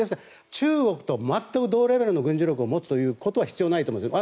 中国と全く同レベルの軍事力を持つことは必要ないと思います。